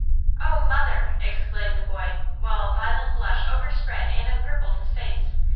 "Oh, mother!" exclaimed the boy, while a violent blush overspread and empurpled his face!